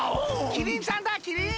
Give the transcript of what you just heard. キリンさんだキリン。